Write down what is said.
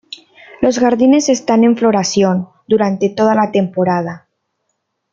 Los jardines están en floración durante toda la temporada.